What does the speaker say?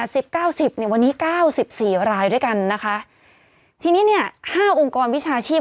สิบเก้าสิบเนี่ยวันนี้เก้าสิบสี่รายด้วยกันนะคะทีนี้เนี้ยห้าองค์กรวิชาชีพ